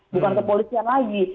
bukan kepolisian lagi